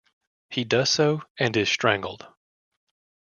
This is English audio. He does so, and is strangled.